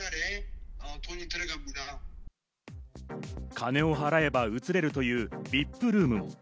金を払えば移れるというＶＩＰルーム。